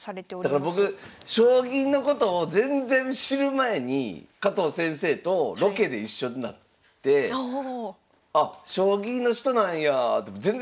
だから僕将棋のことを全然知る前に加藤先生とロケで一緒になってあっ将棋の人なんやって全然知らんから。